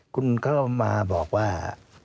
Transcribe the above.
คุณเข้ามาบอกว่า